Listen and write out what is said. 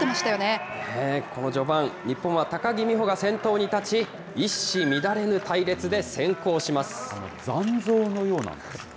この序盤、日本は高木美帆が先頭に立ち、一糸乱れぬ隊列で先行します。